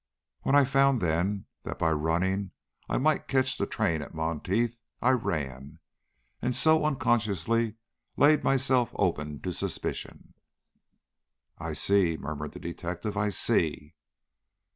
When I found, then, that by running I might catch the train at Monteith, I ran, and so unconsciously laid myself open to suspicion." "I see," murmured the detective; "I see."